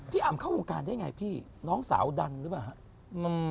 อำเข้าวงการได้ไงพี่น้องสาวดันหรือเปล่าครับ